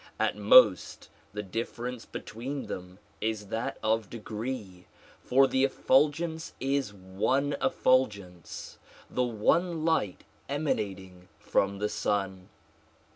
At most the difference between them is that of degree, for the effulgence is one effulgence, the one light emanating from the Sun.